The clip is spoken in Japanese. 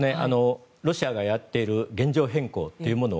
ロシアがやっている現状変更というもの